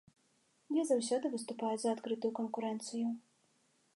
Я заўсёды выступаю за адкрытую канкурэнцыю.